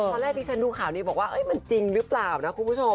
ตอนแรกที่ฉันดูข่าวนี้บอกว่ามันจริงหรือเปล่านะคุณผู้ชม